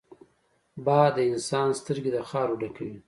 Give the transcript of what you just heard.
باد د انسان سترګې د خاورو ډکوي